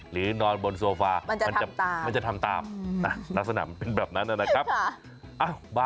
นอนบนโซฟามันจะทำตามลักษณะมันเป็นแบบนั้นนะครับ